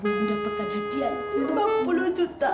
jadi kesempatan gua mendapatkan hadiah lima puluh juta